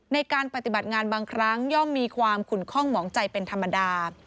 ในการปฏิบัติงานบางครั้งย่อมมีความขุนคล่องหมองใจเป็นธรรมดา